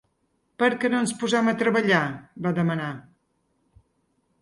Per què no ens posem a treballar?, va demanar.